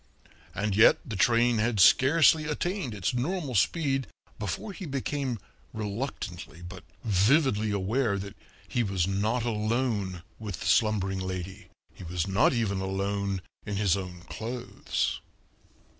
And yet the train had scarcely attained its normal speed before he became reluctantly but vividly aware that he was not alone with the slumbering lady; he was not even alone in his own clothes.